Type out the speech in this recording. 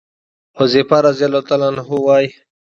حذيفه رضي الله عنه وايي: